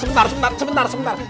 sebentar sebentar sebentar sebentar